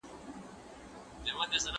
ته ولي سينه سپين کوې!.